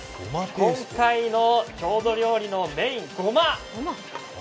今回の郷土料理のメイン、ごま。